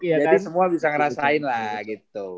jadi semua bisa ngerasain lah gitu